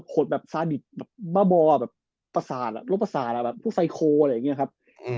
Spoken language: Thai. โขดซาดิดมาบประสานฟิโฮล์อะไรอ่ะครับ